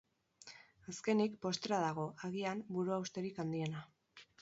Azkenik, postrea dago, agian, buruhausterik handiena.